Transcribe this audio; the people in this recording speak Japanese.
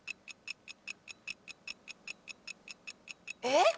えっ？